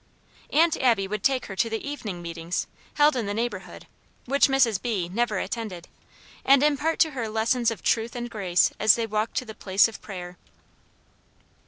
Aunt Abby would take her to evening meetings, held in the neighborhood, which Mrs. B. never attended; and impart to her lessons of truth and grace as they walked to the place of prayer.